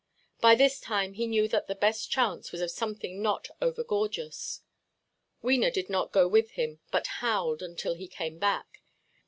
By this time he knew that the best chance was of something not over–gorgeous. Wena did not go with him, but howled until he came back.